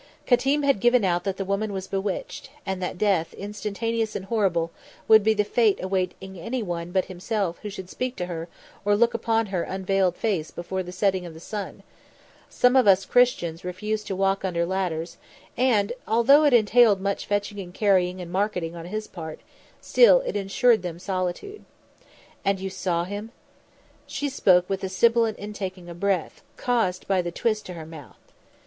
Qatim had given out that the woman was bewitched, and that death, instantaneous and horrible, would be the fate awaiting anyone but himself who should speak to her or look upon her unveiled face before the setting of the sun some of us Christians refuse to walk under ladders and, although it entailed much fetching and carrying and marketing on his part, still, it ensured them solitude. "And you saw him?" She spoke with a sibilant intaking of breath, caused by the twist to her mouth.